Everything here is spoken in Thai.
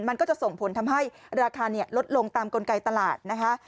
มันก็จะส่งผลทำให้ราคาลดลงตามกลไกตลาดนะคะ